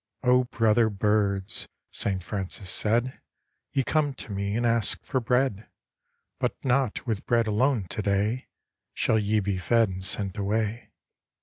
' 0 brother birds," St. Francis said, 'Ye come to me and ask for bread, But not with bread alone to day Shall ye be fed and sent away.